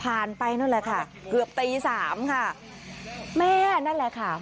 ไปนั่นแหละค่ะเกือบตีสามค่ะแม่นั่นแหละค่ะ